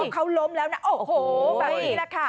เขาล้มแล้วนะโอ้โหแบบนี้แหละค่ะ